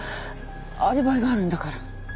アリバイがあるんだから。